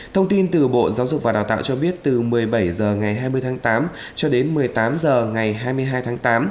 thông tin từ bộ giáo dục và đào tạo cho biết từ một mươi bảy h ngày hai mươi tháng tám cho đến một mươi tám h ngày hai mươi hai tháng tám